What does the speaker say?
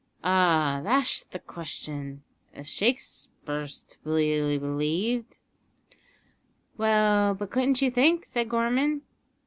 "Ah, thash the question, if Shakspr's to be b'lieved." "Well, but couldn't you think?" said Gorman.